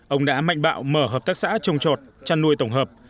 ông đã mạnh bạo mở hợp tác xã trồng chọt chăn nuôi tổng hợp